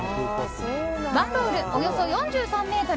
１ロール、およそ４３ｍ。